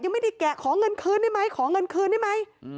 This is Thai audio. แกไม่ได้แกะขอเงินคืนได้ไหมขอเงินคืนได้ไหม